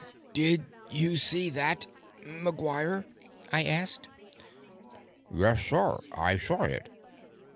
"Did you see that, McGuire?" I asked. "Yes, sir. I saw it."